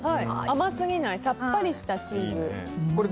甘すぎないさっぱりしたチーズ。